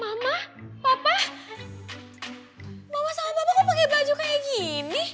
mama sama papa kok pake baju kayak gini